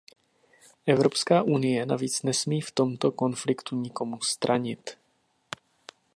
Evropská unie navíc nesmí v tomto konfliktu nikomu stranit.